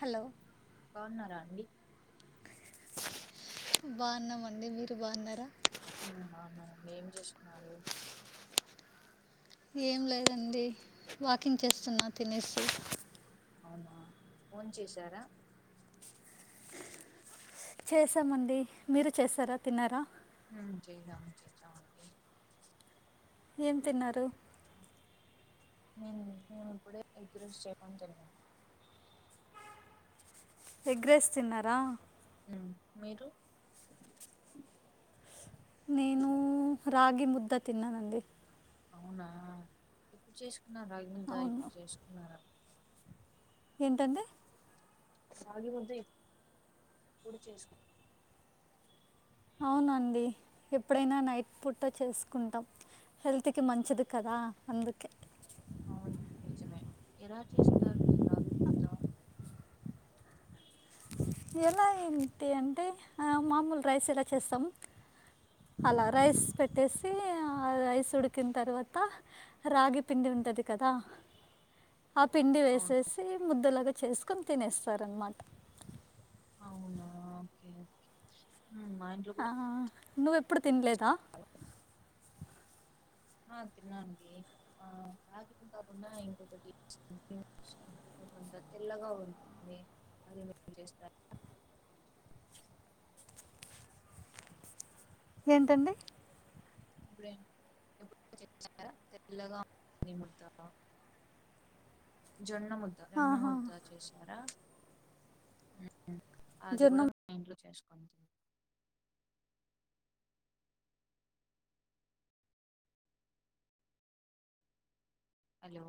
hello బన్నారా అండి బావన్నామండి మీరు బావున్నారా ఆ బావున్నం ఏం చేస్తున్నారు ఏం లేదండి వాకింగ్ చేస్తున్నా తినేసి అవునా భోన్ చేసారా చేసామండి మీరు చేసారా తిన్నారా మ్మ్ చేద్దం చేద్దమండి ఏం తిన్నారు నేను మేము ఇప్పుడే ఎగ్ రైస్ చేయడానికి ఎళ్ళాను ఎగ్ రైస్ తిన్నారా మ్ మీరు నేను రాగి ముద్ద తిన్నానండి అవునా ఇప్పుడు చేసుకున్నర్ రాగి ముద్ద అవును ఇప్పుడు చేస్కున్నారా ఏంటండీ సాగి ముద్ది ఇ కుడు చేసుక్ అవునండి ఎప్పుడైనా నైట్ పూట చేసుకుంటాం హెల్త్కి మంచిది కదా అందుకే అవును నిజమే ఎలా చేస్తారు మీరు రాగి ముద్ద ఎలా ఏంటి అంటే అ మామూలు రైస్ ఎలా చేస్తాము అలా రైస్ పెట్టేసి రైస్ ఉడికిన తర్వాత రాగి పిండి ఉంతది కదా ఆ పిండి అవును వేసేసి ముద్దలాగా చేస్కొని తినేస్తారనమాట అవునా ఓకేఓకే ఆ నువ్వెప్పుడు తినలేదా కూడా ఆ తినండి ఆ బ్యాంగ్ కాకుండా ఇంకొకటి కొంత తెల్లగా ఉంటుంది [unintelligible] ఏంటండి ఇప్పుడ [unintelligible] తెల్లగా ఉంటుంది ముద్ద జొన్న ముద్ద జొన్న ఆహా ముద్ద చేశారా అది కూడా జొన్న మా ఇంట్లో చేస్తారూ హలో